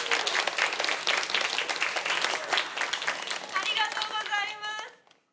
・ありがとうございます。